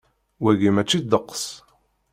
Wagi mačči ddeqs.